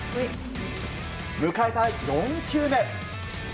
迎えた４球目。